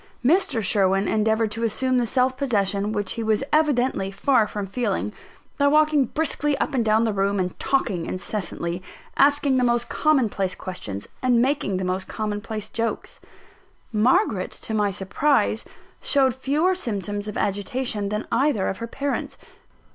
Mr. Sherwin endeavoured to assume the self possession which he was evidently far from feeling, by walking briskly up and down the room, and talking incessantly asking the most common place questions, and making the most common place jokes. Margaret, to my surprise, showed fewer symptoms of agitation than either of her parents.